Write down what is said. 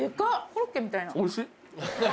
ロッケみたいな。